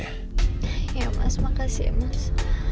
iya mas makasih ya mas